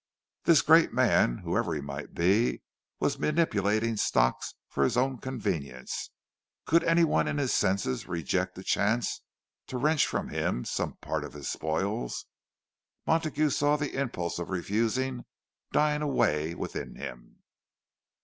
This great man, whoever he might be, who was manipulating stocks for his own convenience—could anyone in his senses reject a chance to wrench from him some part of his spoils? Montague saw the impulse of refusal dying away within him.